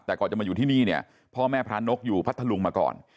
แต่ก่อนจะมาอยู่ที่นี่เนี่ยพ่อแม่พระนกอยู่พัทธลุงมาก่อน